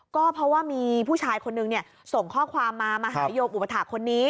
ก็เพราะว่ามีผู้ชายคนนึงส่งข้อความมามาหาโยมอุปถาคคนนี้